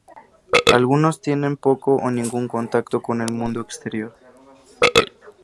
Algunos tienen poco o ningún contacto con el mundo exterior.